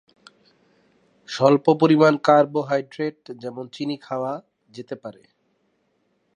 স্বল্প পরিমাণ কার্বোহাইড্রেট যেমন চিনি খাওয়া যেতে পারে।